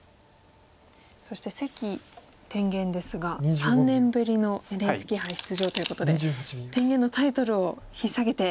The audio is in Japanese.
そして関天元ですが３年ぶりのＮＨＫ杯出場ということで天元のタイトルをひっ提げて。